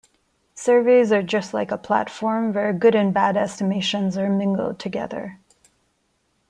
Surveys are just like a platform where good and bad estimations are mingled together.